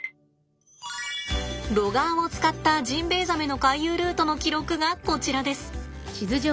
ロガーを使ったジンベエザメの回遊ルートの記録がこちらです。